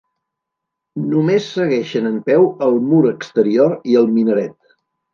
Només segueixen en peu el mur exterior i el minaret.